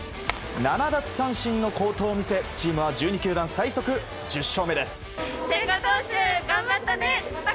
７奪三振の好投を見せチームは１２球団最速の１０勝目です。